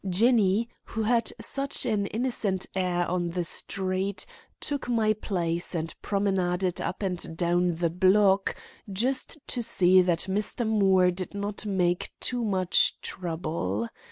Jinny, who has such an innocent air on the street, took my place and promenaded up and down the block, just to see that Mr. Moore did not make too much trouble.